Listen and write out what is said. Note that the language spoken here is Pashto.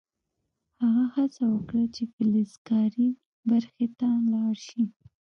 هغه هڅه وکړه چې فلزکاري برخې ته لاړ شي